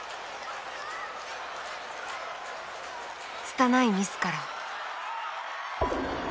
つたないミスから。